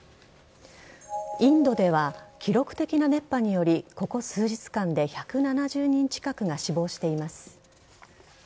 インドでは、記録的な熱波によりここ数日間で１７０人近くが死亡しています。